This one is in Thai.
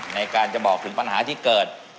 ในการจะบอกถึงปัญหาที่เกิด